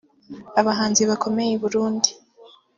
Abahanzi bakomeye i Burundi